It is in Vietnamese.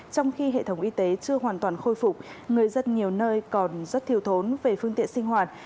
trong khi hệ thống y tế chưa hoàn toàn khôi phục người dân nhiều nơi còn rất thiếu thốn về phương tiện sinh hoạt